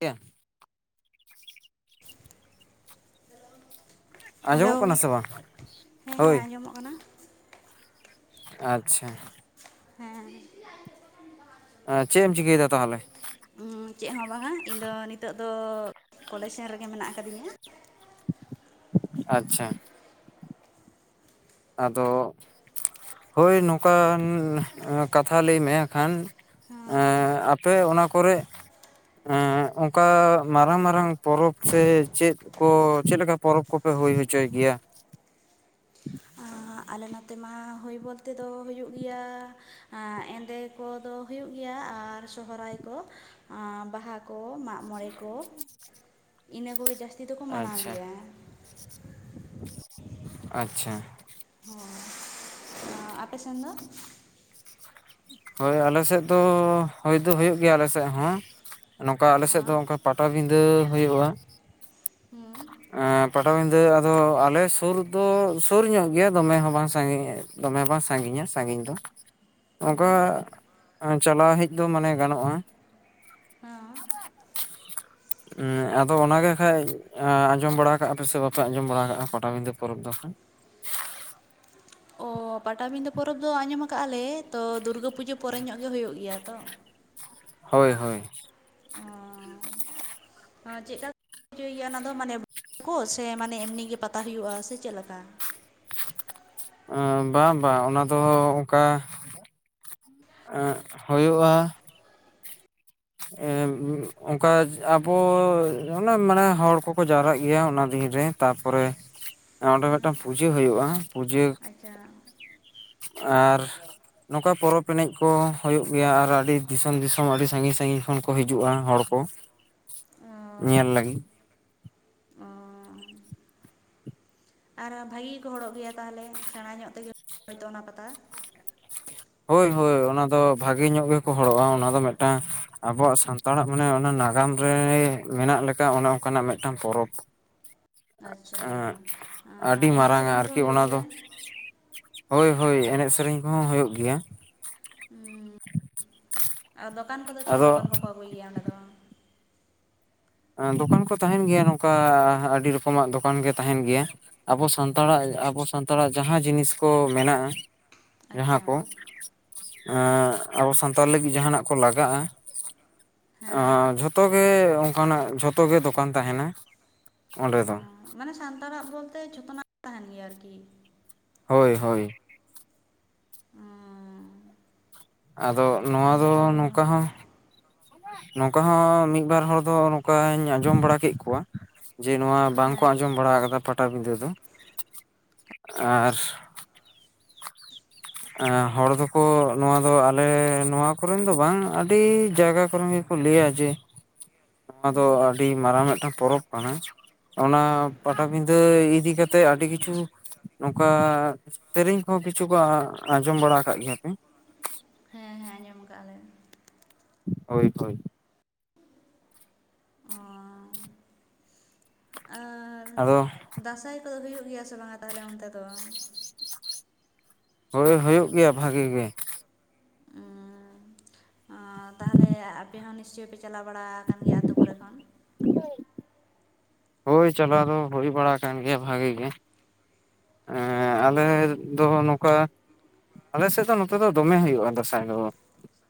ᱮᱭᱟ ᱦᱟᱞᱳ ᱟᱸᱡᱚᱢᱚᱜ ᱠᱟᱱᱟ ᱥᱮ ᱵᱟᱝ? ᱦᱮᱸ ᱦᱮᱸ ᱦᱳᱭ ᱟᱸᱡᱚᱢᱚᱜ ᱠᱟᱱᱟ᱾ ᱟᱪᱪᱷᱟ ᱦᱮᱸ ᱪᱮᱫ ᱮᱢ ᱪᱤᱠᱟᱹᱭᱮᱫᱟ ᱛᱟᱦᱞᱮ? ᱪᱮᱫ ᱦᱚᱸ ᱵᱟᱝᱟ, ᱤᱧ ᱫᱚ ᱱᱤᱛᱚᱜ ᱫᱚ ᱠᱚᱞᱮᱡᱽ ᱥᱮᱱ ᱨᱮᱜᱮ ᱢᱮᱱᱟᱜ ᱠᱟᱫᱤᱧᱟ᱾ ᱟᱪᱪᱷᱟ ᱟᱫᱚ ᱦᱳᱭ ᱱᱚᱝᱠᱟᱱ ᱠᱟᱛᱷᱟ ᱞᱟᱹᱭ ᱢᱮ ᱠᱷᱟᱱ ᱮᱸ ᱟᱯᱮ ᱚᱱᱟ ᱠᱚᱨᱮ ᱮᱸ ᱚᱝᱠᱟ ᱢᱟᱨᱟᱝ ᱢᱟᱨᱟᱝ ᱯᱚᱨᱚᱵᱽ ᱥᱮ ᱪᱮᱫ ᱠᱚ ᱪᱮᱫ ᱞᱮᱠᱟ ᱯᱚᱨᱚᱵᱽ ᱠᱚᱯᱮ ᱦᱩᱭ ᱦᱚᱪᱚᱭ ᱜᱮᱭᱟ? ᱟᱞᱮ ᱱᱚᱛᱮ ᱢᱟ ᱦᱩᱭ ᱵᱚᱞᱛᱮ ᱫᱚ ᱦᱩᱭᱩᱜ ᱜᱮᱭᱟ ᱮᱸᱫᱮ᱾ ᱠᱚ ᱫᱚ ᱦᱩᱭᱩᱜ ᱜᱮᱭᱟ ᱟᱨ ᱥᱦᱨᱟᱭ ᱠᱚ ᱵᱟᱦᱟ ᱠᱚ ᱢᱟᱜᱽ ᱢᱚᱬᱮ ᱠᱚ ᱤᱱᱟᱹ ᱠᱚᱜᱮ ᱡᱟᱹᱥᱛᱤ ᱫᱚᱠᱚ ᱢᱟᱱᱟᱣ ᱟᱪᱪᱷᱟ ᱜᱮᱭᱟ᱾ ᱟᱪᱪᱷᱟ ᱦᱚᱸ ᱟᱯᱮ ᱥᱮᱱ ᱫᱚ? ᱦᱚᱭ ᱟᱞᱮ ᱥᱮᱫ ᱫᱚ ᱦᱳᱭ ᱫᱚ ᱦᱳᱭᱳᱜ ᱜᱮᱭᱟ ᱟᱞᱮ ᱥᱮᱫ ᱦᱚᱸ᱾ ᱱᱚᱝᱠᱟ ᱟᱞᱮ ᱥᱮᱫ ᱫᱚ ᱚᱱᱠᱟ ᱯᱟᱴᱟᱵᱤᱸᱫᱟᱹ ᱦᱳᱭᱳᱜ-ᱟ᱾ ᱦᱮᱸ ᱮᱸ ᱯᱟᱴᱟᱵᱤᱫᱟᱹ ᱟᱫᱚ ᱟᱞᱮ ᱥᱩᱨ ᱫᱚ ᱥᱩᱨ ᱧᱚᱜ ᱜᱮᱭᱟ ᱫᱚᱢᱮ ᱦᱚᱸ ᱵᱟᱝ ᱥᱟᱺᱜᱤᱧ ᱾ ᱫᱚᱢᱮ ᱵᱟᱝ ᱥᱟᱺᱜᱤᱧᱟ ᱥᱟᱺᱜᱤᱧ ᱫᱚ ᱾ ᱚᱝᱠᱟ ᱪᱟᱞᱟᱣ ᱦᱮᱡ ᱫᱚ ᱢᱟᱱᱮ ᱜᱟᱱᱚᱜᱼᱟ ᱾ ᱦᱚᱸ ᱮᱸᱜ ᱟᱫᱚ ᱚᱱᱟ ᱜᱮ ᱠᱷᱟᱡ ᱟᱸᱡᱚᱢ ᱵᱟᱲᱟ ᱠᱟᱜᱼᱟ ᱯᱮ ᱥᱮ ᱵᱟᱯᱮ ᱟᱸᱡᱚᱢ ᱵᱟᱲᱟ ᱠᱟᱜᱼᱟ, ᱯᱟᱴᱟᱵᱤᱸᱫᱟᱹ ᱯᱚᱨᱚᱵᱽ ᱫᱚ ᱦᱟᱸᱜ? ᱚ ᱯᱟᱴᱟᱵᱤᱸᱫᱷᱟᱹ ᱯᱚᱨᱚᱵᱽ ᱫᱚ ᱟᱸᱡᱚᱢ ᱟᱠᱟᱜ ᱟᱞᱮ ᱛᱚ ᱫᱩᱨᱜᱟᱹ ᱯᱩᱡᱟᱹ ᱯᱚᱨᱮ ᱧᱚᱜ ᱜᱮ ᱦᱩᱭᱩᱜ ᱜᱮᱭᱟ ᱛᱚ ᱾ ᱦᱳᱭ ᱦᱳᱭ ᱾ ᱪᱮᱫ ᱠᱟ ᱪᱳᱭ ᱜᱮᱭᱟ ᱚᱱᱟ ᱫᱚ ᱢᱟᱱᱮ, [inaudible] ᱠᱚ ᱥᱮ ᱢᱟᱱᱮ ᱮᱢᱱᱤ ᱜᱮ ᱯᱟᱛᱟ ᱦᱩᱭᱩᱜᱼᱟ ᱥᱮ ᱪᱮᱫ ᱞᱮᱠᱟ? ᱵᱟᱝ ᱵᱟᱝ ᱚᱱᱟ ᱫᱚ ᱚᱝᱠᱟ ᱮᱸᱜ ᱦᱳᱭᱳᱜᱼᱟ ᱾ ᱮ ᱚᱱᱠᱟ ᱟᱵᱚ ᱚᱱᱮ ᱢᱟᱱᱮ ᱦᱚᱲ ᱠᱚᱠᱚ ᱡᱟᱣᱨᱟᱜ ᱜᱮᱭᱟ ᱚᱱᱟ ᱫᱤᱱᱨᱮ ᱛᱟᱨᱯᱚᱨᱮ ᱚᱸᱰᱮ ᱢᱤᱫᱴᱟᱝ ᱯᱩᱡᱟᱹ ᱦᱳᱭᱳᱜ-ᱟ ᱯᱩᱡᱟᱹ ᱟᱪᱪᱷᱟ ᱾ ᱟᱨ ᱱᱚᱝᱠᱟ ᱯᱚᱨᱚᱵᱽ ᱮᱱᱮᱡ ᱠᱚ ᱦᱩᱭᱩᱜ ᱜᱮᱭᱟ, ᱟᱨ ᱟᱰᱤ ᱫᱤᱥᱚᱢ ᱫᱤᱥᱚᱢ ᱟᱰᱤ ᱥᱟᱺᱜᱤᱧ ᱥᱟᱺᱜᱤᱧ ᱠᱷᱚᱱ ᱠᱚ ᱦᱤᱡᱩᱜᱼᱟ ᱦᱚᱲ ᱠᱚ ᱾ [unintelligible] ᱚᱻ, ᱟᱨᱚ ᱵᱷᱟᱜᱤ ᱜᱮᱠᱚ ᱦᱚᱲᱚᱜ ᱜᱮᱭᱟ ᱛᱟᱦᱚᱞᱮ, ᱥᱮᱬᱟ ᱧᱚᱜ ᱛᱮᱜᱮ ᱦᱳᱭᱛᱚ ᱚᱱᱟ ᱯᱟᱛᱟ ᱾ ᱦᱳᱭ ᱦᱳᱭ ᱚᱱᱟ ᱫᱚ ᱵᱷᱟᱜᱮ ᱧᱚᱜ ᱜᱮᱠᱚ ᱦᱚᱲᱚᱜᱼᱟ, ᱚᱱᱟ ᱫᱚ ᱢᱤᱫᱴᱟᱝ ᱟᱵᱚᱣᱟᱜ ᱥᱟᱱ ᱛᱟᱲᱟᱜ ᱢᱟᱱᱮ ᱚᱱᱟ ᱱᱟᱜᱟᱢ ᱨᱮ ᱢᱮᱱᱟᱜ ᱞᱮᱠᱟ ᱚᱱᱮ ᱚᱝᱠᱟᱱᱟᱜ ᱢᱤᱫᱴᱟᱝ ᱯᱚᱨᱚᱵᱽ ᱾ ᱟᱪᱪᱷᱟ ᱮᱸᱜ ᱟᱹᱰᱤ ᱮᱱᱮᱡ ᱢᱟᱨᱟᱝᱼᱟ ᱥᱮᱨᱮᱧ ᱠᱚ ᱟᱨᱠᱤ ᱦᱩᱭᱩᱜ ᱚᱱᱟ ᱫᱚ ᱜᱮᱭᱟ ᱾ ᱦᱳᱭ ᱦᱳᱭ ᱮᱱᱮᱡ ᱥᱮᱨᱮᱧ ᱠᱚᱸᱦᱚᱸ ᱦᱳᱭᱳᱜ ᱜᱮᱭᱟ ᱾ ᱦᱩᱸᱻ ᱟᱨ ᱫᱚᱠᱟᱱ ᱠᱚᱫᱚ ᱪᱮᱜ ᱟᱫᱚ ᱫᱚᱠᱟᱱ ᱠᱚᱠᱚ ᱟᱜᱩᱭ ᱜᱮᱭᱟ ᱚᱸᱰᱮ ᱫᱚ? ᱫᱚᱠᱟᱱ ᱠᱚ ᱛᱟᱦᱮᱸᱱ ᱜᱮᱭᱟ ᱱᱚᱝᱠᱟ ᱟᱰᱤ ᱨᱚᱠᱚᱢᱟᱜ ᱫᱚᱠᱟᱱ ᱜᱮ ᱛᱟᱦᱮᱸᱱ ᱜᱮᱭᱟ ᱾ ᱟᱵᱚ ᱥᱟᱱᱛᱟᱲᱟᱜ ᱟᱵᱚ ᱥᱟᱱᱛᱟᱲᱟᱜ ᱡᱟᱸᱦᱟᱸ ᱡᱤᱱᱤᱥ ᱠᱚ ᱢᱮᱱᱟᱜᱼᱟ ᱾ ᱡᱟᱸᱦᱟᱸ ᱟᱪᱪᱷᱟ ᱠᱚ, ᱟᱵᱚ ᱥᱟᱱᱛᱟᱲ ᱞᱟᱹᱜᱤᱫ ᱡᱟᱸᱦᱟᱸᱱᱟᱜ ᱠᱚ ᱞᱟᱜᱟᱜᱼᱟ ᱦᱮᱸ ᱾ ᱡᱷᱚᱛᱚ ᱜᱮ ᱚᱝᱠᱟᱱᱟᱜ ᱡᱷᱚᱛᱚ ᱜᱮ ᱫᱚᱠᱟᱱ ᱛᱟᱦᱮᱸᱱᱟ ᱾ ᱚᱸᱰᱮ ᱫᱚ ᱢᱟᱱᱮ ᱥᱟᱱᱛᱟᱲᱟᱜ ᱵᱚᱞᱛᱮ ᱡᱷᱚᱛᱚᱱᱟᱜ ᱛᱟᱦᱮᱸᱱ ᱜᱮᱭᱟ ᱟᱨᱠᱤ ᱾ ᱦᱳᱭ ᱦᱳᱭ ᱾ ᱩᱸᱻ ᱟᱫᱚ ᱱᱚᱣᱟ ᱫᱚ ᱱᱚᱝᱠᱟ ᱦᱚᱸ ᱱᱚᱝᱠᱟ ᱦᱚᱸ ᱢᱤᱫ ᱵᱟᱨ ᱦᱚᱲ ᱫᱚ ᱱᱚᱝᱠᱟᱧ ᱟᱸᱡᱚᱢ ᱵᱟᱲᱟ ᱠᱮᱜ ᱠᱚᱣᱟ ᱡᱮ ᱱᱚᱣᱟ ᱵᱟᱝᱠᱚ ᱦᱮᱸ ᱟᱸᱡᱚᱢ ᱵᱟᱲᱟ ᱠᱟᱫᱟ ᱯᱟᱴᱟᱵᱤᱸᱫᱟᱹ ᱫᱚ ᱾ ᱟᱨ ᱦᱚᱲ ᱫᱚᱠᱚ ᱱᱚᱣᱟ ᱫᱚ ᱟᱞᱮ ᱱᱚᱣᱟ ᱠᱚᱨᱮᱱ ᱫᱚ ᱵᱟᱝ ᱟᱰᱤ ᱡᱟᱭᱜᱟ ᱠᱚᱨᱮᱱ ᱜᱮ ᱠᱚ ᱞᱟᱹᱭᱟ ᱡᱮ ᱱᱚᱣᱟ ᱫᱚ ᱟᱹᱰᱤ ᱢᱟᱨᱟᱝ ᱢᱤᱫᱴᱟᱝ ᱯᱚᱨᱚᱵᱽ ᱠᱟᱱᱟ ᱾ ᱚᱱᱟ ᱦᱮᱸ ᱯᱟᱴᱟᱵᱤᱸᱫᱽᱟᱹ ᱤᱫᱤ ᱠᱟᱛᱮᱫ ᱟᱰᱤ ᱠᱤᱪᱷᱩ ᱱᱚᱝᱠᱟ ᱛᱮᱹᱨᱮᱹᱧ ᱠᱚᱸᱦᱚᱸ ᱠᱤᱪᱷᱩ ᱠᱚ ᱟᱸᱡᱚᱢ ᱵᱟᱲᱟ ᱠᱟᱜ ᱜᱮᱭᱟᱯᱮ? ᱦᱮᱸ ᱦᱮᱸ ᱾ ᱡᱚᱢ ᱠᱟᱜᱼᱟᱞᱮ ᱾ ᱦᱳᱭ ᱦᱳᱭ ᱾ ᱚ ᱟᱫᱚ ᱫᱟᱸᱥᱟᱸᱭ ᱠᱚᱫᱚ ᱦᱩᱭᱩᱜ ᱜᱮᱭᱟ ᱥᱮ ᱵᱟᱝᱟ ᱛᱟᱦᱞᱮ ᱚᱱᱛᱮ ᱫᱚ? ᱦᱳᱭ ᱦᱳᱭᱳᱜ ᱜᱮᱭᱟ ᱵᱷᱟᱜᱤ ᱜᱮ ᱾ ᱩᱸ ᱚ ᱛᱟᱦᱚᱞᱮ ᱟᱯᱮ ᱦᱚᱸ ᱱᱤᱥᱪᱚᱭ ᱯᱮ ᱪᱟᱞᱟᱣ ᱵᱟᱲᱟᱠᱟᱱ ᱜᱮᱭᱟ ᱟᱛᱳ ᱠᱚᱨᱮ ᱠᱷᱚᱱ? ᱦ [unintelligible] ᱦᱳᱭ ᱪᱟᱞᱟᱣ ᱫᱚ ᱦᱩᱭ ᱵᱟᱲᱟ ᱟᱠᱟᱱ ᱜᱮᱭᱟ ᱵᱷᱟᱜᱤ ᱜᱮ ᱮᱸᱜ ᱚ ᱟᱞᱮ ᱫᱚ ᱱᱚᱠᱟ ᱟᱞᱮ ᱥᱮᱫ ᱫᱚ ᱱᱚᱛᱮ ᱫᱚ ᱫᱚᱢᱮ ᱦᱩᱭᱩᱜᱼᱟ ᱫᱟᱸᱥᱟᱭ ᱫᱚ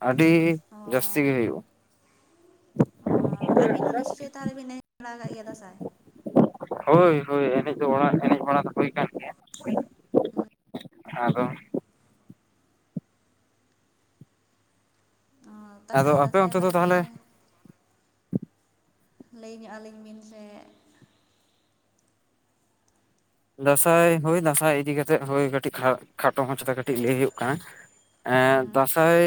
ᱟᱰᱤ ᱚ ᱡᱟᱥᱛᱤ ᱜᱮ ᱦᱩᱭᱩᱜᱼᱟ ᱚ ᱟᱵᱤᱱ ᱦᱚᱸ ᱱᱤᱥᱪᱚᱭ ᱛᱟᱦᱞᱮ ᱵᱤᱱ ᱮᱱᱮᱡ ᱵᱟᱲᱟ ᱟᱠᱟᱫ ᱜᱮᱭᱟ ᱫᱟᱸᱟᱸᱟᱭ ᱦᱳᱭ ᱦᱳᱭ ᱮᱱᱮᱡ ᱫᱚ ᱚᱲᱟ ᱮᱱᱮᱡ ᱵᱟᱲᱟ ᱫᱚ ᱦᱩᱭ ᱠᱟᱱ ᱜᱮᱭᱟ ᱟᱫᱚ ᱚ ᱛᱟᱦᱚᱞᱮ ᱟᱫᱚ ᱟᱯᱮ ᱫᱟᱸᱥᱟᱭ ᱚᱱᱛᱮ ᱫᱚ ᱵᱟᱨᱮᱛᱮ ᱛᱟᱦᱚᱞᱮ ᱞᱟᱹᱭ ᱧᱚᱜ ᱟᱹᱞᱤᱧ ᱵᱤᱱ ᱥᱮ ᱫᱟᱸᱥᱟᱭ ᱦᱳᱭ ᱫᱟᱸᱥᱟᱭ ᱤᱫᱤ ᱠᱟᱛᱮᱫ ᱦᱳᱭ ᱠᱟᱹᱴᱤᱡ ᱠᱷᱟ ᱠᱷᱟᱴᱚ ᱢᱟᱪᱟᱛᱮ ᱠᱟᱹᱴᱤᱡ ᱞᱟᱹᱭ ᱦᱩᱭᱩᱜ ᱠᱟᱱᱟ ᱮ ᱦᱩᱸ ᱫᱟᱸᱥᱟᱭ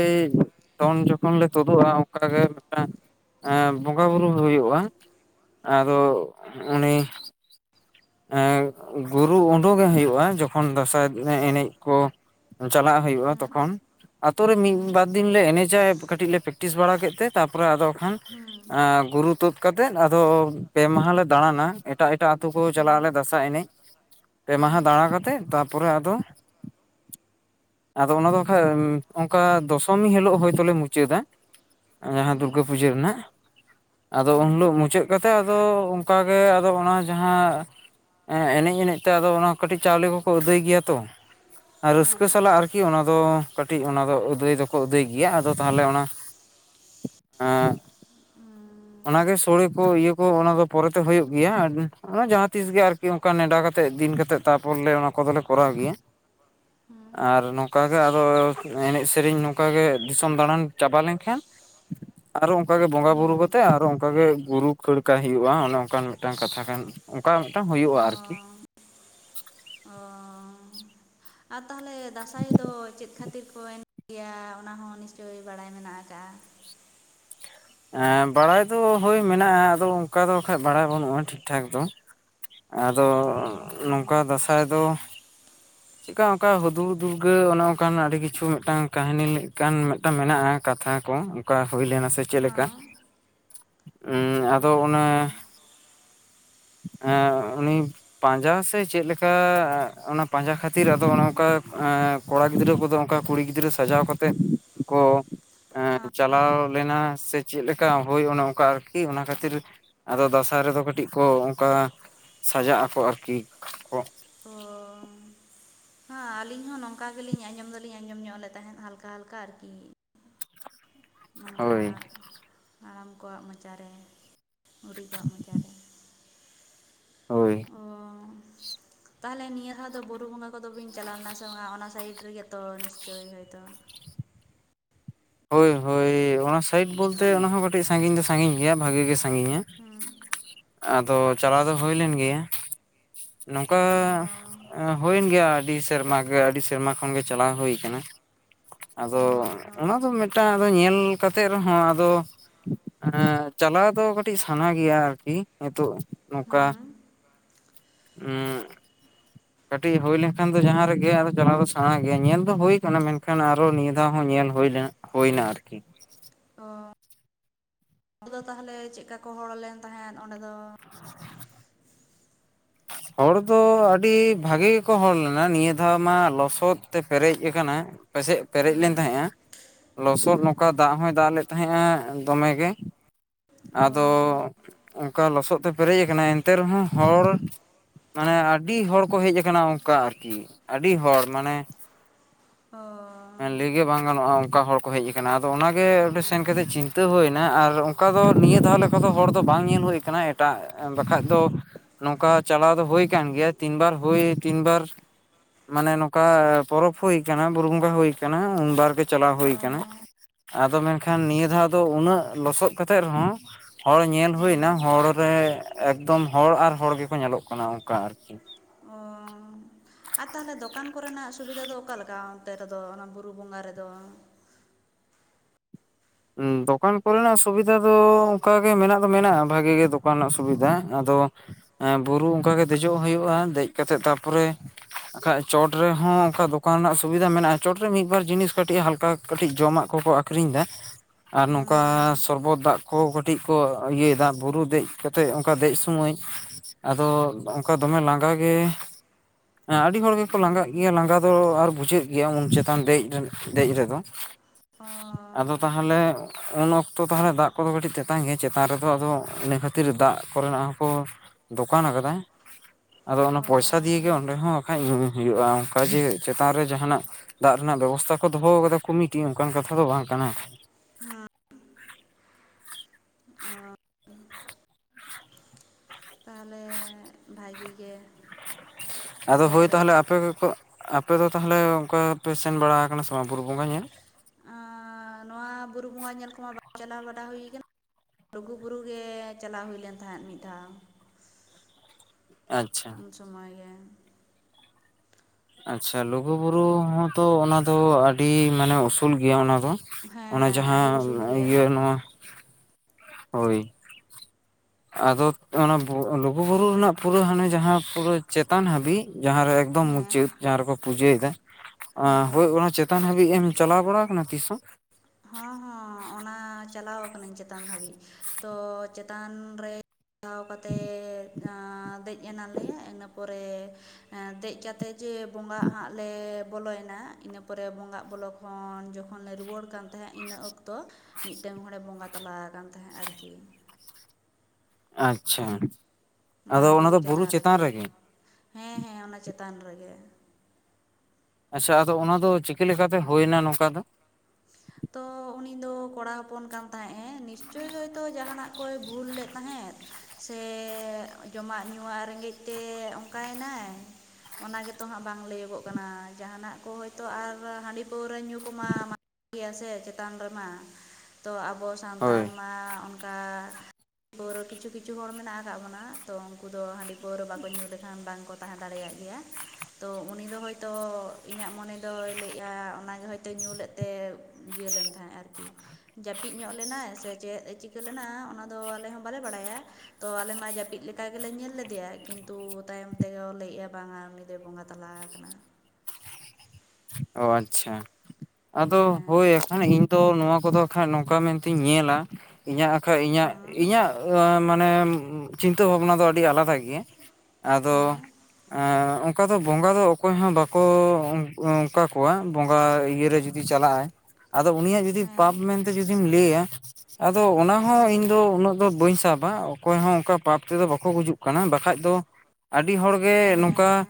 ᱫᱚᱱ ᱡᱚᱠᱷᱚᱱ ᱞᱮ ᱛᱩᱫᱩᱜᱼᱟ ᱚᱱᱠᱟᱜᱮ ᱢᱤᱫᱴᱟᱝ ᱵᱚᱸᱜᱟ ᱵᱩᱨᱩ ᱦᱩᱭᱩᱜᱼᱟ ᱟᱫᱚ ᱩᱱᱤ ᱮᱸ ᱜᱩᱨᱩ ᱩᱰᱩᱠᱮ ᱦᱩᱭᱩᱜᱼᱟ ᱡᱚᱠᱷᱚᱱ ᱫᱟᱸᱥᱟᱭ ᱮᱱᱮᱡ ᱠᱚ ᱪᱟᱞᱟᱜ ᱦᱩᱭᱩᱜᱼᱟ ᱦᱩᱸ ᱛᱚᱠᱷᱚᱱ ᱟᱛᱩ ᱨᱮ ᱢᱤᱫ ᱦᱩᱸ ᱵᱟᱨ ᱫᱤᱱ ᱞᱮ ᱮᱱᱮᱡᱟ ᱠᱟᱴᱤᱡ ᱞᱮ ᱯᱮᱠᱴᱤᱥ ᱵᱟᱲᱟ ᱠᱮᱫ ᱛᱮ ᱛᱟᱯᱚᱨᱮ ᱟᱫᱚ ᱠᱷᱟᱱ ᱦᱩᱸ ᱜᱩᱨᱩ ᱛᱩᱫ ᱠᱟᱛᱮᱜ ᱟᱫᱚ ᱯᱮ ᱢᱟᱦᱟ ᱞᱮ ᱫᱟᱬᱟᱱᱟ ᱮᱴᱟᱜ ᱮᱴᱟᱜ ᱟᱛᱩ ᱠᱚ ᱪᱟᱞᱟᱜ ᱦᱩᱸ ᱟᱞᱮ ᱫᱟᱸᱥᱟᱭ ᱮᱱᱮᱡ ᱯᱮ ᱦᱩᱸ ᱢᱟᱦᱟ ᱫᱟᱬᱟ ᱠᱟᱛᱮ ᱛᱟᱯᱚᱨᱮ ᱟᱫᱚ ᱟᱫᱚ ᱚᱱᱟ ᱫᱚ ᱠᱷᱟᱡ ᱚᱱᱠᱟ ᱫᱚᱥᱚᱢᱤ ᱦᱤᱞᱳᱜ ᱦᱚᱭᱛᱚᱞᱮ ᱢᱩᱪᱟᱹᱫᱟ ᱡᱟᱦᱟᱸ ᱦᱩᱸ ᱫᱩᱨᱜᱟᱹ ᱯᱩᱡᱟᱹ ᱨᱮᱱᱟᱜ ᱟᱫᱚ ᱦᱩᱸ ᱩᱱᱦᱤᱞᱳᱜ ᱢᱩᱪᱟᱹᱫ ᱠᱟᱛᱮᱜ ᱟᱫᱚ ᱚᱱᱠᱟᱜᱮ ᱟᱫᱚ ᱚᱱᱟ ᱡᱟᱦᱟᱸ ᱮ ᱮᱱᱮᱡ ᱮᱱᱮᱡ ᱛᱮ ᱟᱫᱚ ᱚᱱᱟ ᱠᱟᱹᱴᱤᱡ ᱪᱟᱣᱞᱮ ᱠᱚᱠᱚ ᱟᱹᱫᱟᱹᱭ ᱜᱮᱭᱟ ᱛᱚ ᱦᱩᱸ ᱨᱟᱹᱥᱠᱟᱹ ᱥᱟᱞᱟᱜ ᱟᱨᱠᱤ ᱚᱱᱟ ᱫᱚ ᱠᱟᱹᱴᱤᱡ ᱚᱱᱟ ᱫᱚ ᱟᱹᱫᱟᱹᱭ ᱫᱚᱠᱚ ᱟᱹᱫᱟᱹᱭ ᱜᱮᱭᱟ ᱟᱫᱚ ᱛᱟᱦᱚᱞᱮ ᱚᱱᱟ ᱦᱮᱸ ᱚᱱᱟᱜᱮ ᱥᱚᱲᱮ ᱠᱚ ᱤᱭᱟᱹ ᱠᱚ ᱚᱱᱟ ᱫᱚ ᱯᱚᱨᱮᱛᱮ ᱦᱩᱭᱩᱜ ᱜᱮᱭᱟ ᱡᱟᱦᱟᱸ ᱛᱤᱥ ᱜᱮ ᱟᱨᱠᱤ ᱠᱤ ᱚᱱᱠᱟ ᱱᱮᱰᱟ ᱠᱟᱛᱮᱫ ᱫᱤᱱ ᱠᱟᱛᱮᱫ ᱛᱟᱯᱚᱨ ᱞᱮ ᱚᱱᱟ ᱠᱚᱫᱚᱞᱮ ᱠᱚᱨᱟᱣ ᱜᱮᱭᱟ ᱦᱩᱸ ᱟᱨ ᱱᱚᱝᱠᱟᱜᱮ ᱟᱫᱚ ᱮᱱᱮᱡ ᱥᱮᱨᱮᱧ ᱱᱚᱝᱠᱟᱜᱮ ᱫᱤᱥᱚᱢ ᱫᱟᱬᱟᱱ ᱪᱟᱵᱟ ᱞᱮᱱᱠᱷᱟᱱ [unintelligible] ᱟᱨᱚ ᱚᱱᱠᱟᱜᱮ ᱵᱚᱸᱜᱟ ᱦᱩᱸ ᱵᱩᱨᱩ ᱦᱩᱸ ᱠᱟᱛᱮᱜ ᱟᱨᱚ ᱚᱱᱠᱟᱜᱮ ᱜᱩᱨᱩ ᱠᱷᱟᱹᱲ ᱠᱟᱭ ᱦᱩᱭᱩᱜᱼᱟ ᱚᱱᱮ ᱚᱱᱠᱟᱱ ᱢᱤᱫᱴᱟᱝ ᱠᱟᱛᱷᱟ ᱠᱟᱱ ᱚᱱᱠᱟ ᱢᱤᱫᱴᱟᱝ ᱦᱩᱭᱩᱜᱼᱟ ᱟᱨᱠᱤ ᱚ ᱚ ᱟᱨ ᱛᱟᱦᱚᱞᱮ ᱫᱟᱸᱥᱟᱭ ᱫᱚ ᱪᱮᱫ ᱠᱷᱟᱹᱛᱤᱨ ᱠᱚ ᱮᱱᱮᱡ ᱜᱮᱭᱟ ᱚᱱᱟ ᱦᱚᱸ ᱱᱤᱥᱪᱳᱚᱭ ᱵᱟᱲᱟᱭ ᱢᱮᱱᱟᱜ ᱠᱟᱜ-ᱟ ᱮᱸ ᱵᱟᱲᱟᱭ ᱫᱚ ᱦᱳᱭ ᱢᱮᱱᱟᱜᱼᱟ ᱟᱫᱚ ᱚᱱᱠᱟ ᱫᱚ ᱠᱷᱟᱡ ᱵᱟᱲᱟᱭ ᱵᱟᱹᱱᱩᱜᱼᱟ ᱴᱷᱤᱠ ᱴᱷᱟᱠ ᱫᱚ ᱟᱫᱚ ᱚ ᱱᱚᱝᱠᱟ ᱫᱟᱸᱥᱟᱭ ᱫᱚ ᱪᱮᱫᱠᱟ ᱚᱱᱠᱟ ᱦᱩᱫᱩᱲ ᱫᱩᱨᱜᱟᱹ ᱚᱱᱮ ᱚᱱᱠᱟᱱ ᱟᱹᱰᱤ ᱠᱤᱪᱷᱩ ᱢᱤᱫᱴᱟᱝ ᱠᱟᱹᱦᱱᱤ ᱞᱮᱠᱟᱱ ᱢᱤᱫ ᱴᱟᱝ ᱢᱮᱱᱟᱜᱼᱟ ᱠᱟᱛᱷᱟ ᱠᱚ ᱚᱱᱠᱟ ᱦᱩᱭ ᱞᱮᱱᱟ ᱥᱮ ᱪᱮᱫ ᱦᱮᱸ ᱚ ᱞᱮᱠᱟ ᱚᱸᱟᱫᱚ ᱚᱱᱮ ᱮᱸ ᱩᱱᱤ ᱯᱟᱸᱡᱟ ᱥᱮ ᱪᱮᱫᱮᱠᱟ ᱚᱱᱟ ᱯᱟᱸᱡᱟ ᱠᱷᱟᱹᱛᱤᱨ ᱟᱫᱚ ᱚᱱᱮ ᱚᱱᱠᱟ ᱠᱚᱲᱟ ᱜᱤᱫᱽᱨᱟᱹ ᱠᱚᱫᱚ ᱚᱱᱠᱟ ᱠᱩᱲᱤ ᱜᱤᱫᱽᱨᱟᱹ ᱥᱟᱡᱟᱣ ᱠᱟᱛᱮᱫ ᱠᱚ ᱦᱮᱸ ᱪᱟᱞᱟᱣ ᱞᱮᱱᱟ ᱥᱮ ᱪᱮᱫ ᱞᱮᱠᱟ ᱦᱳᱭ ᱚᱱᱮ ᱚᱱᱠᱟ ᱟᱨᱠᱤ ᱚᱱᱟ ᱠᱷᱟᱹᱛᱤᱨ ᱟᱫᱚ ᱫᱟᱸᱥᱟᱭ ᱨᱮᱫᱚ ᱠᱟᱹᱴᱤᱡ ᱠᱚ ᱚᱱᱠᱟ ᱥᱟᱡᱟᱜ ᱟᱠᱚ ᱟᱨᱠᱤ ᱛᱚ [unintelligible] ᱟᱹᱞᱤᱧ ᱦᱚᱸ ᱱᱚᱝᱠᱟ ᱜᱮᱞᱤᱧ ᱟᱸᱡᱚᱢ ᱫᱚᱞᱤᱧ ᱟᱸᱡᱚᱢ ᱧᱚᱜ ᱞᱮᱜ ᱛᱟᱦᱮᱸᱫ ᱦᱟᱞᱠᱟ ᱦᱟᱞᱠᱟ ᱟᱨᱠᱤ ᱱᱚᱝᱠᱟ ᱦᱳᱭ ᱦᱟᱲᱟᱢ ᱠᱚᱣᱟᱜ ᱢᱚᱪᱟᱨᱮ ᱵᱩᱰᱤ ᱠᱚᱣᱟᱜ ᱢᱚᱪᱟᱨᱮ ᱦᱳᱭ ᱚ ᱛᱟᱦᱚᱞᱮ ᱱᱤᱭᱟᱹ ᱫᱷᱟᱣ ᱫᱚ ᱵᱩᱨᱩ ᱵᱚᱸᱜᱟ ᱠᱚᱫᱚ ᱵᱤᱱ ᱪᱟᱞᱟᱣ ᱞᱮᱱᱟ ᱥᱮ ᱵᱟᱝ ᱚᱱᱟ ᱥᱟᱭᱤᱰ ᱨᱮᱜᱮ ᱛᱚ ᱱᱤᱥᱪᱳᱭ ᱦᱚᱭᱛᱳ ᱦᱳᱭ ᱦᱳᱭ ᱚᱱᱟ ᱥᱟᱭᱤᱰ ᱵᱚᱞᱛᱮ ᱚᱱᱟ ᱦᱚᱸ ᱠᱟᱹᱴᱤᱡ ᱥᱟᱺᱜᱤᱧ ᱫᱚ ᱥᱟᱺᱜᱤᱧ ᱜᱮᱭᱟ ᱵᱷᱟᱹᱜᱤ ᱜᱮ ᱥᱟᱺᱜᱤᱧᱟ ᱦᱩᱸ ᱟᱫᱚ ᱪᱟᱞᱟᱣ ᱫᱚ ᱦᱩᱭ ᱞᱮᱱ ᱜᱮᱭᱟ ᱱᱚᱝᱠᱟ ᱩᱱᱠᱩ ᱦᱩᱭᱮᱱ ᱜᱮᱭᱟ ᱟᱹᱰᱤ ᱥᱮᱨᱢᱟ ᱜᱮ ᱟᱹᱰᱤ ᱥᱮᱨᱢᱟ ᱠᱷᱚᱱ ᱜᱮ ᱪᱟᱞᱟᱣ ᱦᱩᱭ ᱠᱟᱱᱟ ᱟᱫᱚ ᱚᱱᱟ ᱫᱚ ᱢᱤᱫᱴᱟᱱ ᱟᱫᱚ ᱧᱮᱞ ᱠᱟᱛᱮᱫ ᱨᱮᱦᱚᱸ ᱟᱫᱚ ᱮᱸ ᱪᱟᱞᱟᱣ ᱫᱚ ᱠᱟᱹᱴᱤᱡ ᱥᱟᱱᱟ ᱜᱮᱭᱟ ᱟᱨᱠᱤ ᱱᱤᱛᱚᱜ ᱱᱚᱝᱠᱟ ᱦᱩᱸ ᱠᱟᱹᱴᱤᱡ ᱦᱳ ᱞᱮᱱᱠᱷᱟᱱ ᱫᱚ ᱡᱟᱦᱟᱸ ᱨᱮᱜᱮ ᱪᱟᱞᱟᱣ ᱫᱚ ᱥᱮᱬᱟ ᱜᱮᱭᱟ ᱧᱮᱞ ᱫᱚ ᱦᱩᱭ ᱟᱠᱟᱱᱟ ᱢᱮᱱᱠᱷᱟᱱ ᱟᱨᱚ ᱱᱤᱭᱟᱹ ᱫᱷᱟᱣ ᱦᱚᱸ ᱧᱮᱞ ᱦᱩᱭ ᱞᱮᱱᱟ ᱦᱩᱭᱱᱟ ᱟᱨᱠᱤ ᱚ ᱩᱱᱠᱩ ᱫᱚ ᱛᱟᱦᱚᱞᱮ ᱪᱮᱫ ᱞᱮᱠᱟ ᱠᱚ ᱦᱚᱲ ᱞᱮᱱ ᱛᱟᱦᱮᱸᱫ ᱚᱸᱰᱮ ᱫᱚ [unintelligible] ᱦᱚᱲ ᱫᱚ ᱟᱹᱰᱤ ᱵᱷᱟᱜᱮ ᱜᱮᱠᱚ ᱦᱚᱲ ᱞᱮᱱᱟ ᱱᱤᱭᱟᱹ ᱫᱷᱟᱣ ᱢᱟ ᱞᱚᱥᱚᱫ ᱛᱮ ᱯᱮᱨᱮᱡ ᱟᱠᱟᱱᱟ ᱯᱟᱥᱮᱡ ᱯᱮᱨᱮᱡ ᱞᱮᱱ ᱦᱩᱸ ᱛᱟᱦᱮᱸᱜ-ᱟ ᱞᱚᱥᱚᱫ ᱦᱩᱸ ᱱᱚᱝᱠᱟ ᱫᱟᱜ ᱦᱚᱭ ᱫᱟᱜ ᱞᱮᱫ ᱛᱟᱦᱮᱸᱜ-ᱟ ᱫᱚᱢᱮᱜᱮ ᱚ ᱟᱫᱚ ᱚᱱᱠᱟ ᱞᱚᱥᱚᱫ ᱛᱮ ᱯᱮᱨᱮᱡ ᱟᱠᱟᱱᱟ ᱮᱱᱛᱮ ᱨᱮᱦᱚᱸ ᱦᱚᱲ ᱢᱟᱱᱮ ᱟᱹᱰᱤ ᱦᱚᱲ ᱠᱚ ᱦᱮᱡ ᱟᱠᱟᱱᱟ ᱚᱱᱠᱟ ᱟᱨᱠᱤ ᱟᱹᱰᱤ ᱦᱚᱲ ᱢᱟᱱᱮ ᱚ ᱢᱮᱱ ᱞᱟᱹᱭᱮ ᱵᱟᱝ ᱜᱟᱱᱚᱜ-ᱟ ᱚᱱᱠᱟ ᱦᱚᱲ ᱠᱚ ᱦᱮᱡ ᱟᱠᱟᱱᱟ ᱟᱫᱚ ᱚᱱᱟᱜᱮ ᱚᱸᱰᱮ ᱥᱮᱱ ᱦᱩᱸ ᱠᱟᱛᱮᱫ ᱪᱤᱱᱛᱟᱹ ᱦᱩᱭᱱᱟ ᱟᱨ ᱠᱟ ᱫᱚ ᱱᱤᱭᱟᱹ ᱫᱷᱟᱣ ᱞᱮᱠᱟ ᱫᱚ ᱦᱚᱲ ᱫᱚ ᱵᱟᱝ ᱧᱮᱞ ᱦᱩᱭ ᱟᱠᱟᱱᱟ ᱮᱴᱟᱜ ᱵᱟᱠᱷᱟᱡ ᱫᱚ ᱱᱚᱝᱠᱟ ᱪᱟᱞᱟᱣ ᱫᱚ ᱦᱩᱭ ᱠᱟᱱ ᱜᱮᱭᱟ ᱛᱤᱱᱵᱟᱨ ᱦᱩᱭ ᱛᱤᱱᱵᱟᱨ ᱢᱟᱱᱮ ᱱᱚᱝᱠᱟ ᱯᱚᱨᱚᱵ ᱦᱩᱭ ᱟᱠᱟᱱᱟ ᱵᱩᱨᱩ ᱵᱚᱸᱜᱟ ᱦᱩᱭ ᱟᱠᱟᱱᱟ ᱩᱱᱵᱟᱨ ᱜᱮ ᱪᱟᱞᱟᱣ ᱚ ᱦᱩᱭ ᱟᱠᱟᱱᱟ ᱟᱫᱚ ᱢᱮᱱᱠᱷᱟᱱ ᱱᱤᱭᱟᱹ ᱫᱷᱟᱣ ᱫᱚ ᱩᱱᱟᱹᱜ ᱞᱚᱥᱚᱫ ᱠᱟᱛᱮᱜ ᱨᱮᱦᱚᱸ ᱦᱚᱲ ᱧᱮᱞ ᱦᱩᱸ ᱦᱩᱭᱱᱟ ᱦᱚᱲ ᱨᱮ ᱮᱠᱫᱚᱢ ᱦᱚᱲ ᱟᱨ ᱦᱚᱲ ᱜᱮᱠᱚ ᱧᱮᱞᱚᱜ ᱠᱟᱱᱟ ᱚᱱᱠᱟ ᱟᱨᱠᱤ ᱚ ᱟᱨ ᱛᱟᱦᱚᱞᱮ ᱫᱚᱠᱟᱱ ᱠᱚᱨᱮᱱᱟᱜ ᱥᱩᱵᱤᱫᱟ ᱫᱚ ᱚᱠᱟᱞᱮᱠᱟ ᱚᱱᱛᱮ ᱨᱮᱫᱚ ᱚᱱᱟ ᱵᱩᱨᱩ ᱵᱚᱸᱜᱟ ᱨᱮᱫᱚ ᱦ ᱫᱚᱠᱟᱱ ᱠᱚᱨᱮᱱᱟᱜ ᱥᱩᱵᱤᱫᱟ ᱫᱚ ᱚᱱᱠᱟᱜᱮ ᱢᱮᱱᱟᱜ ᱫᱚ ᱢᱮᱱᱟᱜ-ᱟ ᱵᱷᱟᱜᱤ ᱜᱮ ᱫᱚᱠᱟᱱ ᱨᱮᱱᱟᱜ ᱥᱩᱵᱤᱫᱷᱟ ᱟᱫᱚ ᱵᱩᱨᱩ ᱚᱱᱠᱟ ᱜᱮ ᱫᱮᱡᱚᱜ ᱦᱩᱭᱩᱜ-ᱟ ᱫᱮᱡ ᱠᱟᱛᱮᱜ ᱛᱟᱨᱯᱚᱨᱮ ᱵᱟᱠᱷᱟᱡ ᱪᱚᱴ ᱨᱮᱦᱚᱸ ᱚᱱᱠᱟ ᱫᱚᱠᱟᱱ ᱨᱮᱱᱟᱜ ᱥᱩᱵᱤᱫᱟ ᱢᱮᱱᱟᱜ-ᱟ ᱪᱚᱴᱨᱮ ᱢᱤᱫ ᱵᱟᱨ ᱡᱤᱱᱤᱥ ᱠᱟᱹᱴᱤᱡ ᱦᱟᱞᱠᱟ ᱠᱟᱹᱴᱤᱡ ᱡᱚᱢᱟᱜ ᱠᱚᱠᱚ ᱟᱠᱷᱨᱤᱧ ᱮᱫᱟ ᱟᱨ ᱱᱚᱝᱠᱟ ᱥᱚᱨᱵᱚᱛ ᱫᱟᱜ ᱠᱚ ᱠᱟᱹᱴᱤᱡ ᱠᱚ ᱤᱭᱟᱹᱭᱮᱫᱟ ᱵᱩᱨᱩ ᱫᱮᱡ ᱠᱟᱛᱮᱫ ᱚᱱᱠᱟ ᱫᱮᱡ ᱥᱚᱢᱚᱭ ᱟᱫᱚ ᱚᱱᱠᱟ ᱫᱚᱢᱮ ᱞᱟᱸᱜᱟᱜᱮ ᱮᱸ ᱟᱹᱰᱤ ᱦᱚᱲ ᱜᱮᱠᱚ ᱞᱟᱸᱜᱟᱜ ᱜᱮᱭᱟ ᱞᱟᱸᱜᱟ ᱫᱚ ᱟᱨ ᱵᱩᱡᱷᱟᱹᱜ ᱜᱮᱭᱟ ᱩᱱ ᱪᱮᱛᱟᱱ ᱫᱮᱡ ᱨᱮᱱᱟᱜ ᱫᱮᱡ ᱨᱮᱫᱚ ᱚ ᱟᱫᱚ ᱛᱟᱦᱚᱞᱮ ᱩᱱ ᱚᱠᱛᱚ ᱛᱟᱦᱚᱞᱮ ᱫᱟᱜ ᱠᱚᱫᱚ ᱠᱟᱹᱴᱤᱡ ᱛᱮᱛᱟᱝ ᱜᱮᱭᱟ ᱪᱮᱛᱟᱱ ᱨᱮᱫᱚ ᱟᱫᱚ ᱤᱱᱟᱹ ᱠᱷᱟᱹᱛᱤᱨ ᱫᱟᱜ ᱠᱚᱨᱮᱱᱟᱜ ᱦᱚᱸ ᱠᱚ ᱫᱚᱠᱟᱱ ᱟᱠᱟᱫᱟ ᱟᱫᱚ ᱚᱱᱟ ᱯᱚᱭᱥᱟ ᱫᱤᱭᱮ ᱜᱮ ᱚᱸᱰᱮ ᱦᱚᱸ ᱵᱟᱠᱷᱟᱡ ᱧᱩᱭ ᱦᱩᱭᱩᱜ-ᱟ ᱚᱱᱠᱟ ᱡᱮ ᱪᱮᱛᱟᱱ ᱨᱮ ᱡᱟᱦᱟᱱᱟᱜ ᱫᱟᱜ ᱨᱮᱱᱟᱜ ᱵᱮᱵᱚᱥᱛᱷᱟ ᱠᱚ ᱫᱚᱦᱚ ᱟᱠᱟᱫᱟ ᱠᱚᱢᱤᱴᱤ ᱚᱱᱠᱟᱱ ᱠᱟᱛᱷᱟ ᱫᱚ ᱵᱟᱝ ᱠᱟᱱᱟ ᱛᱟᱦᱚᱞᱮ ᱵᱷᱟᱹᱜᱤ ᱜᱮ ᱟᱫᱚ ᱦᱳᱭ ᱡᱟᱭᱦᱳᱠ ᱛᱟᱦᱚᱞᱮ ᱟᱯᱮ ᱜᱮᱠᱚ ᱟᱯᱮ ᱫᱚ ᱛᱟᱦᱚᱞᱮ ᱚᱱᱠᱟ ᱯᱮ ᱥᱮᱱ ᱵᱟᱲᱟ ᱟᱠᱟᱱᱟ ᱥᱮ ᱵᱩᱨᱩ ᱵᱚᱸᱜᱟ ᱧᱮᱞ ᱱᱚᱣᱟ ᱵᱩᱨᱩ ᱵᱚᱸᱜᱟ ᱧᱮᱞ ᱠᱚᱢᱟ ᱵᱟᱝ ᱪᱟᱞᱟᱣ ᱵᱟᱰᱟ ᱦᱩᱭ ᱟᱠᱟᱱᱟ ᱞᱩᱜᱩ ᱵᱩᱨᱩ ᱜᱮ ᱪᱟᱞᱟᱣ ᱦᱩᱭ ᱞᱮᱱ ᱛᱟᱦᱮᱸᱫ ᱢᱤᱫ ᱫᱷᱟᱣ ᱟᱪᱪᱷᱟ ᱩᱱ ᱥᱚᱢᱚᱭ ᱜᱮ ᱟᱪᱪᱷᱟ ᱞᱩᱜᱩ ᱵᱩᱨᱩ ᱦᱚᱸᱛᱚ ᱚᱱᱟ ᱫᱚ ᱟᱹᱰᱤ ᱢᱟᱱᱮ ᱩᱥᱩᱞ ᱜᱮᱭᱟ ᱚᱱᱟ ᱫᱚ ᱚᱱᱟ ᱦᱮᱸ ᱟᱹᱰᱤ ᱡᱟᱦᱟᱸ ᱩᱥᱩᱞ ᱜᱮᱭᱟ ᱤᱭᱟᱹ ᱱᱚᱣᱟ ᱦᱳᱭ ᱟᱫᱚ ᱚᱱᱟ ᱞᱩᱜᱩ ᱵᱩᱨᱩ ᱨᱮᱱᱟᱜ ᱯᱩᱨᱟᱹ ᱦᱟᱱᱮ ᱡᱟᱦᱟᱸ ᱯᱩᱨᱟᱹ ᱪᱮᱛᱟᱱ ᱦᱟᱹᱵᱤᱡ ᱡᱟᱦᱟᱸ ᱨᱮ ᱮᱠᱫᱚᱢ ᱦᱮᱸ ᱢᱩᱪᱟᱹᱫ ᱡᱟᱦᱟᱸ ᱨᱮᱠᱚ ᱯᱩᱡᱟᱹᱭᱮᱫᱟ ᱦᱮᱸ ᱦᱳ ᱚᱱᱟ ᱪᱮᱛᱟᱱ ᱦᱟᱹᱵᱤᱡ ᱮᱢ ᱪᱟᱞᱟᱣ ᱵᱟᱲᱟ ᱟᱠᱟᱱᱟ ᱛᱤᱥ ᱦ ᱦᱚᱸ ᱦᱚᱸ ᱚᱱᱟ ᱪᱟᱞᱟᱣ ᱟᱠᱟᱱᱟᱹᱧ ᱪᱮᱛᱟᱱ ᱫᱷᱟᱹᱵᱤᱡ ᱛᱚ ᱪᱮᱛᱟᱱ ᱨᱮ ᱫᱷᱟᱣ ᱠᱟᱛᱮ ᱫᱮᱡ ᱮᱱᱟᱞᱮ ᱤᱱᱟᱹ ᱯᱚᱨᱮ ᱫᱮᱡ ᱠᱟᱛᱮ ᱡᱮ ᱵᱚᱸᱜᱟᱜ ᱦᱟᱸᱜ ᱞᱮ ᱵᱚᱞᱚᱭᱮᱱᱟ ᱤᱱᱟᱹ ᱯᱚᱨᱮ ᱵᱚᱸᱜᱟᱜ ᱵᱚᱞᱚ ᱠᱷᱚᱱ ᱡᱚᱠᱷᱚᱱ ᱞᱮ ᱨᱩᱭᱟᱹᱲ ᱠᱟᱱ ᱛᱟᱦᱮᱸᱜ ᱤᱱᱟᱹ ᱚᱠᱛᱚ ᱢᱤᱫᱴᱮᱱ ᱦᱚᱲᱮ ᱵᱚᱸᱜᱟ ᱛᱟᱞᱟ ᱟᱠᱟᱱ ᱛᱟᱦᱮᱸᱜ ᱟᱨᱠᱤ ᱟᱪᱪᱷᱟ ᱟᱫᱚ ᱚᱱᱟᱫᱚ ᱵᱩᱨᱩ ᱪᱮᱛᱟᱱ ᱨᱮᱜᱮ ᱦᱮᱸ ᱦᱮᱸ ᱚᱱᱟ ᱪᱮᱛᱟᱱ ᱨᱮᱜᱮ ᱟᱪᱷᱟ ᱟᱫᱚ ᱚᱱᱟ ᱫᱚ ᱪᱤᱠᱟᱹ ᱞᱮᱠᱟᱛᱮ ᱦᱩᱭᱱᱟ ᱱᱚᱝᱠᱟ ᱫᱚ [inaudible] ᱛᱚ ᱩᱱᱤ ᱫᱚ ᱠᱚᱲᱟ ᱦᱚᱯᱚᱱ ᱠᱟᱱ ᱛᱟᱦᱮᱸᱜ ᱮ ᱱᱤᱥᱪᱚᱭ ᱦᱚᱭᱛᱚ ᱡᱟᱦᱟᱱᱟᱜ ᱠᱚᱭ ᱵᱷᱩᱞ ᱞᱮᱫ ᱛᱟᱦᱮᱸᱫ ᱥᱮ ᱡᱚᱢᱟᱜ ᱧᱩᱣᱟᱜ ᱨᱮᱸᱜᱮᱡ ᱛᱮ ᱚᱱᱠᱟᱭ ᱮᱱᱟᱭ ᱚᱱᱟ ᱜᱮᱛᱚ ᱦᱟᱸᱜ ᱵᱟᱝ ᱞᱟᱹᱭᱟᱹᱜᱚᱜ ᱠᱟᱱᱟ ᱡᱟᱦᱟᱱᱟᱜ ᱠᱚ ᱦᱳᱭᱛᱳ ᱟᱨ ᱦᱟᱺᱰᱤ- ᱯᱟᱹᱣᱨᱟᱹ ᱧᱩ ᱠᱚᱢᱟ ᱜᱮᱭᱟ ᱥᱮ ᱪᱮᱛᱟᱱ ᱨᱮᱢᱟ ᱛᱚ ᱟᱵᱚ ᱥᱟᱱᱛᱟᱲ ᱦᱳᱭ ᱢᱟ ᱚᱱᱠᱟ ᱯᱟᱹᱣᱨᱟᱹ ᱠᱤᱪᱷᱩ -ᱠᱤᱪᱦᱩ ᱦᱚᱲ ᱢᱮᱱᱟᱜ ᱠᱟᱜ ᱵᱚᱱᱟ ᱛᱚ ᱩᱱᱠᱩ ᱫᱚ ᱦᱟᱺᱰᱤ ᱯᱟᱹᱣᱨᱟᱹ ᱵᱟᱠᱚ ᱧᱩ ᱞᱮᱠᱷᱟᱱ ᱵᱟᱝ ᱠᱚ ᱛᱟᱦᱮᱸ ᱫᱟᱲᱮᱭᱟᱜ ᱜᱮᱭᱟ ᱛᱚ ᱩᱱᱤ ᱫᱚ ᱦᱳᱭᱛᱳ ᱤᱧᱟᱹᱜ ᱢᱚᱱᱮ ᱫᱚᱭ ᱞᱟᱹᱭᱮᱜᱼᱟ ᱚᱱᱟᱜᱮ ᱦᱳᱭᱛᱳ ᱧᱩ ᱞᱮᱫ ᱛᱮ ᱤᱭᱟᱹ ᱞᱮᱱ ᱛᱟᱦᱮᱸᱜ ᱟᱨᱠᱤ ᱡᱟᱹᱯᱤᱫ ᱧᱚᱜ ᱞᱮᱱᱟᱭ ᱥᱮ ᱪᱮᱫ ᱪᱤᱠᱟᱹ ᱞᱮᱱᱟᱭ ᱚᱱᱟᱫᱚ ᱟᱞᱮ ᱦᱚᱸ ᱵᱟᱞᱮ ᱵᱟᱲᱟᱭᱟ ᱾ ᱛᱚ ᱟᱞᱮ ᱢᱟ ᱡᱟᱹᱯᱤᱫ ᱞᱮᱠᱟ ᱜᱮᱞᱮ ᱧᱮᱞ ᱞᱮᱫᱮᱭᱟ ᱠᱤᱱᱛᱩ ᱛᱟᱭᱚᱢ ᱛᱮᱜ ᱞᱟᱹᱭᱮᱼᱟ ᱵᱟᱝᱟ ᱩᱱᱤ ᱫᱚᱭ ᱵᱚᱸᱜᱟ ᱛᱟᱞᱟ ᱟᱠᱟᱱᱟ ᱚ ᱟᱪᱪᱷᱟ ᱟᱫᱚ ᱦᱮᱸ ᱦᱳᱭ ᱮᱠᱷᱟᱱ ᱤᱧ ᱫᱚ ᱱᱚᱣᱟ ᱠᱚᱫᱚ ᱵᱟᱠᱷᱟ ᱱᱚᱝᱠᱟ ᱢᱮᱱᱛᱤᱧ ᱧᱮᱞᱟ ᱤᱧᱟᱹᱜ ᱟᱸᱠᱷᱟ ᱤᱧᱟᱹᱜ ᱦᱮᱸ -ᱤᱧᱟ. ᱜ ᱢᱟᱱᱮ ᱪᱤᱱᱛᱟᱹ ᱵᱷᱟᱵᱽᱱᱟ ᱫᱚ ᱟᱹᱰᱤ ᱟᱞᱟᱫᱟ ᱜᱮᱭᱟ ᱟᱫᱚ ᱦᱮᱸ ᱟᱨ ᱚᱱᱠᱟ ᱫᱚ ᱵᱚᱸᱜᱟ ᱫᱚ ᱚᱠᱚᱭ ᱦᱚᱸ ᱵᱟᱠᱚ ᱚᱱᱠᱟ ᱠᱚᱣᱟ ᱵᱚᱸᱜᱟ ᱤᱭᱟᱹᱨᱮ ᱡᱩᱫᱤ ᱪᱟᱞᱟᱜ ᱟᱭ ᱟᱫᱚ ᱩᱱᱤᱭᱟᱜ ᱡᱩᱫᱤ ᱦᱮᱸ ᱯᱟᱯ ᱢᱮᱱᱛᱮ ᱡᱩᱫᱤᱢ ᱞᱟᱹᱭᱟ ᱟᱫᱚ ᱚᱱᱟ ᱦᱚᱸ ᱤᱧ ᱫᱚ ᱩᱱᱟᱹᱜ ᱫᱚ ᱵᱟᱹᱧ ᱥᱟᱵ ᱚᱠᱚᱭ ᱦᱚᱸ ᱚᱱᱠᱟ ᱯᱟᱯ ᱛᱮᱫᱚ ᱵᱟᱠᱚ ᱜᱩᱡᱩᱜ ᱠᱟᱱᱟ ᱵᱟᱠᱷᱟᱡ ᱫᱚ ᱟᱹᱰᱤ ᱦᱚᱲ ᱜᱮ ᱱᱚᱝᱠᱟ ᱦᱮᱸ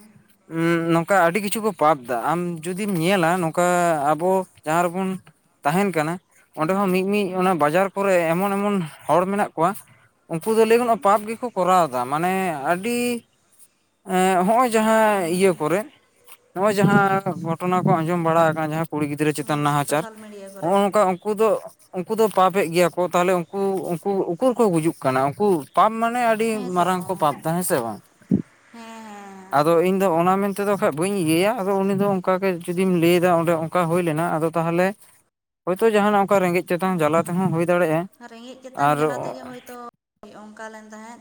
ᱱᱚᱝᱠᱟ ᱟᱹᱰᱤ ᱠᱤᱪᱷᱩ ᱠᱚ ᱯᱟᱯ ᱟ ᱟᱢ ᱡᱩᱫᱤᱢ ᱧᱮᱞᱟ ᱱᱚᱝᱠᱟ ᱟᱵᱚ ᱡᱟᱦᱟᱸ ᱨᱮᱵᱚᱱ ᱛᱟᱦᱮᱱ ᱠᱟᱱᱟ ᱚᱸᱰᱮ ᱦᱮᱸ ᱦᱚᱸ ᱢᱤᱫ ᱦᱮᱸ ᱢᱤᱫ ᱦᱮᱸ ᱚᱱᱟ ᱵᱟᱡᱟᱨ ᱯᱚᱨᱮ ᱮᱢᱚᱱᱼᱮᱢᱚᱱ ᱦᱚᱲ ᱢᱮᱱᱟᱜ ᱠᱚᱣᱟ ᱩᱱᱠᱩ ᱫᱚ ᱞᱟᱹᱭ ᱦᱮᱸ ᱜᱟᱱᱚᱜᱼᱟ ᱯᱟᱯ ᱜᱮᱠᱚ ᱠᱚᱨᱟᱣ ᱢᱟᱱᱮ ᱟᱹᱰᱤ ᱮᱸ ᱱᱚᱦᱚᱸᱭ ᱡᱟᱦᱟᱸ ᱤᱭᱟᱹ ᱯᱚᱨᱮ ᱡᱟᱦᱟᱸ ᱜᱷᱚᱴᱚᱱᱟ ᱠᱚ ᱟᱸᱡᱚᱢ ᱵᱟᱲᱟ ᱟᱠᱟᱱᱟ ᱡᱟᱦᱟᱸ ᱠᱩᱲᱤ ᱜᱤᱫᱽᱨᱟᱹ ᱪᱮᱛᱟᱱ ᱱᱟᱦᱟᱪᱟᱨ ᱥᱳᱥᱟᱞ ᱢᱤᱰᱤᱭᱟ ᱱᱚᱜᱼ ᱠᱚᱨᱮ ᱱᱚᱝᱠᱟ ᱩᱱᱠᱩ ᱫᱚ ᱩᱱᱠᱩ ᱫᱚ ᱯᱟᱯ ᱮᱫ ᱜᱮᱭᱟ ᱠᱚ ᱛᱟᱦᱚᱞᱮ ᱩᱱᱠᱩ -ᱩᱱᱠᱩ ᱩᱠᱩᱨ ᱠᱚ ᱜᱩᱡᱩᱜ ᱠᱟᱱᱟ ᱩᱱᱠᱩ ᱯᱟᱯ ᱢᱟᱱᱮ ᱟᱹᱰᱤ ᱦᱮᱸᱛᱚ ᱢᱟᱨᱟᱝ ᱠᱚ ᱯᱟᱯ ᱫᱟ ᱦᱮᱸ ᱥᱮ ᱵᱟᱝ ᱦᱮᱸ ᱻᱦᱮᱸ ᱟᱫᱚ ᱤᱧ ᱫᱚ ᱚᱱᱟ ᱢᱮᱱᱛᱮᱫᱚ ᱠᱷᱟᱡ ᱵᱟᱹᱧ ᱤᱭᱟᱹᱭᱟ ᱟᱫᱚ ᱩᱱᱤ ᱫᱚ ᱚᱱᱠᱟᱜ ᱜᱮ ᱡᱩᱫᱤᱢ ᱮᱢ ᱞᱟᱹᱭᱮᱫᱟ ᱚᱸᱰᱮ ᱦᱚᱸ ᱚᱱᱠᱟ ᱦᱩᱭ ᱞᱮᱱᱟ ᱟᱫᱚ ᱛᱟᱦᱚᱞᱮ ᱦᱳᱭᱛᱳ ᱡᱟᱦᱟᱱᱟᱜ ᱨᱮᱸᱜᱮᱸᱡ ᱛᱚ ᱪᱮᱛᱟᱝ ᱡᱟᱞᱟ ᱛᱮᱦᱚᱸ ᱦᱩᱭ ᱫᱟᱲᱮᱭᱟᱜᱼᱟ ᱦᱮᱸ ᱨᱮᱸᱜᱮᱡ ᱛᱮᱛᱟᱝ ᱟᱨ ᱡᱟᱞᱟ ᱛᱮᱜᱮ ᱦᱳᱭᱛᱳ ᱚᱱᱠᱟ ᱞᱮᱱ ᱛᱟᱦᱮᱸᱫ